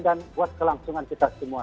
dan buat kelangsungan kita semua